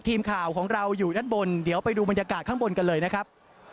ทีมข่าวของเราอยู่ด้านบนเดี๋ยวไปดูบรรยากาศข้างบนกันเลยนะครับ